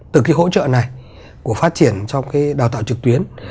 từ cái hỗ trợ này của phát triển trong cái đào tạo trực tuyến